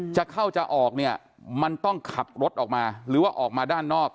จะเข้าจะออกเนี่ยมันต้องขับรถออกมาหรือว่าออกมาด้านนอก